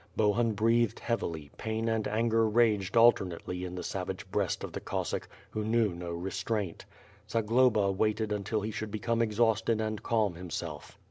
Bohun breathed heavily, pain and anger raged alternately in the savage breast of the Cossack, who knew no re.^'traint. Zagloba waited until he should become exhausted and calm himself.